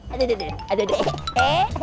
aduh aduh aduh